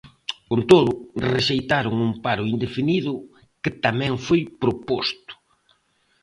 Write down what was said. Con todo, rexeitaron un paro indefinido que tamén foi proposto.